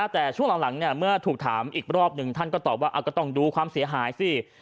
แต่ช่วงหลังเมื่อถูกถามอีกรอบหนึ่งท่านก็ตอบว่าก็ต้องดูความเสียหายสิ